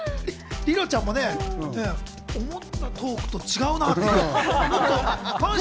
リロちゃんもね、思ったトークと違うなって。